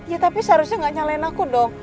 ya tapi seharusnya nggak nyalain aku dong